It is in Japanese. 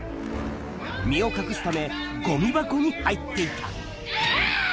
身を隠すため、ごみ箱に入っていえ？